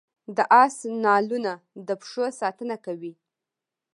د اس نالونه د پښو ساتنه کوي